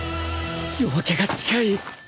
夜明けが近い！